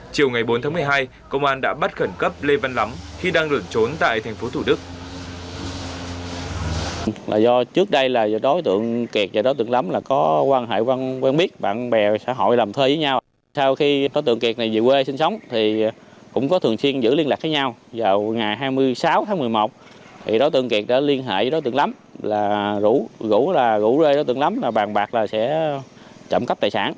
chiều ngày bốn tháng một mươi hai công an đã bắt khẩn cấp lê văn lắm khi đang lẩn trốn tại thành phố thủ đức